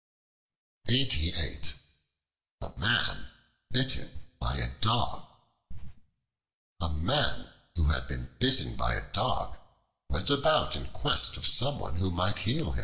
The Man Bitten by a Dog A MAN who had been bitten by a Dog went about in quest of someone who might heal him.